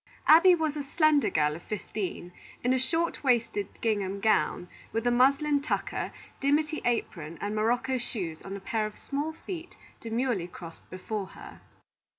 Abby was a slender girl of fifteen, in a short waisted gingham gown, with a muslin tucker, dimity apron, and morocco shoes on a pair of small feet demurely crossed before her.